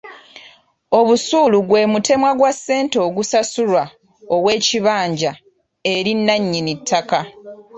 Obusuulu gwe mutemwa gwa ssente ogusasulwa ow'ekibanja eri nannyini ttaka.